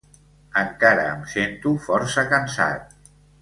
Encara em sento força cansat.